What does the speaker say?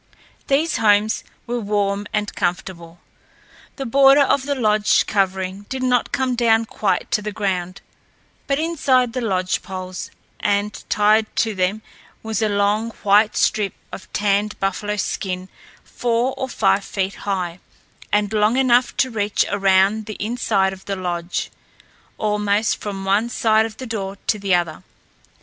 These homes were warm and comfortable. The border of the lodge covering did not come down quite to the ground, but inside the lodge poles, and tied to them, was a long wide strip of tanned buffalo skin four or five feet high, and long enough to reach around the inside of the lodge, almost from one side of the door to the other.